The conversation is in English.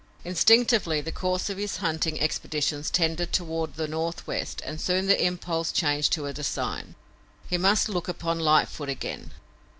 Instinctively, the course of his hunting expeditions tended toward the northwest and soon the impulse changed to a design. He must look upon Lightfoot again!